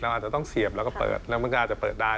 อาจจะต้องเสียบแล้วก็เปิดแล้วมันก็อาจจะเปิดได้